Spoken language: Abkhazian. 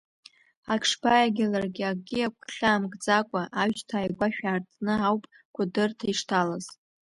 Акшбаиагьы ларгьы акгьы агәхьаа мкӡакәа Аҩсҭаа игәашә аартны ауп Кәыдырҭа ишҭалаз.